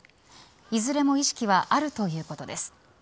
いずれも意識はあるということです。